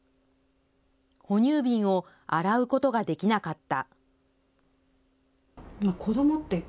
哺乳瓶を洗うことができなかった。